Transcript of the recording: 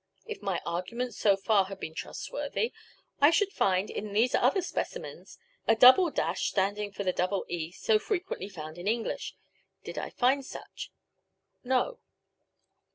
If my argument so far had been trustworthy, I should find, in these other specimens, a double [][] standing for the double e so frequently found in English. Did I find such? No.